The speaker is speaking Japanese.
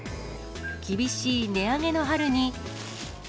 厳しい値上げの春に。